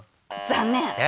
残念！